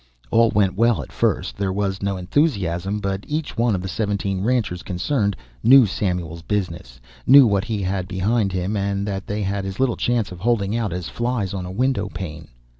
All went well at first. There was no enthusiasm, but each one of the seventeen ranchers concerned knew Samuel's business, knew what he had behind him, and that they had as little chance of holding out as flies on a window pane.